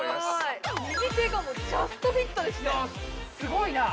すごい！